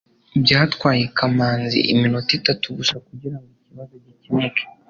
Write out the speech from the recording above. byatwaye kamanzi iminota itatu gusa kugirango ikibazo gikemuke